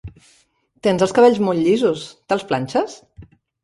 Tens els cabells molt llisos, te'ls planxes?